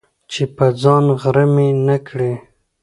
چي په ځان غره مي نه کړې،